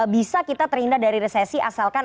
bisa kita terindah dari resesi asalkan